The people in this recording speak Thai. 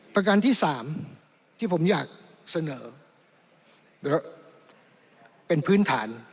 ประการที่๓ที่ผมอยากเสนอเป็นพื้นฐาน